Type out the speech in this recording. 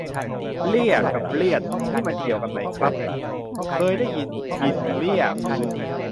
เรี่ย กับ เรียด นี่มันเกี่ยวกันไหมครับ เคยได้ยิน บินเรี่ยพื้น